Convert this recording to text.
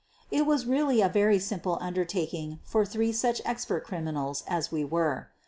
It was really a very simple undertaking for three such expert criminals as we were.